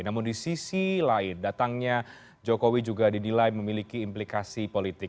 namun di sisi lain datangnya jokowi juga didilai memiliki implikasi politik